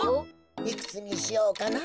いくつにしようかな。